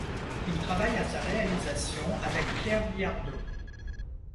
Il travaille à sa réalisation avec Pierre Biardeau.